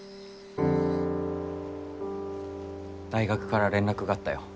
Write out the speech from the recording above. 大学から連絡があったよ。